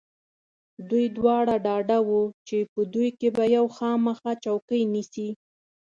دوی دواړه ډاډه و چې په دوی کې به یو خامخا چوکۍ نیسي.